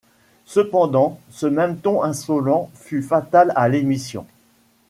Cependant, ce même ton insolent fut fatal à l'émission.